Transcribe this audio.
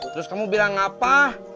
terus kamu bilang apa